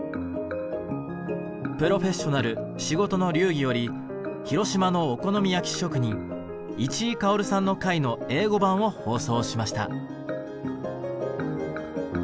「プロフェッショナル仕事の流儀」より広島のお好み焼き職人市居馨さんの回の英語版を放送しました。